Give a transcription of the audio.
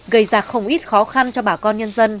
gây ra không ít khó khăn cho bà con nhân dân